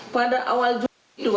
pada awal juni dua ribu